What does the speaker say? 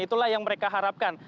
itulah yang mereka harapkan